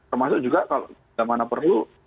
termasuk juga kalau tidak mana perlu